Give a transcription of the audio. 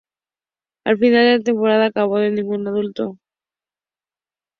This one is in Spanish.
Al final la temporada acabó sin ningún título.